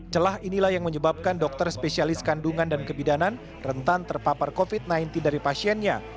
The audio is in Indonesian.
celah inilah yang menyebabkan dokter spesialis kandungan dan kebidanan rentan terpapar covid sembilan belas dari pasiennya